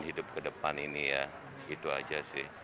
hidup ke depan ini ya itu aja sih